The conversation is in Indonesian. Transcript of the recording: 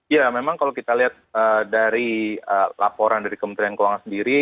ya memang kalau kita lihat dari laporan dari kementerian keuangan sendiri